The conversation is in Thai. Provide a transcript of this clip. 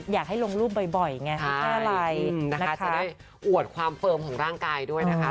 อยากให้ลงรูปบ่อยไงมีอะไรนะคะจะได้อวดความเฟิร์มของร่างกายด้วยนะคะ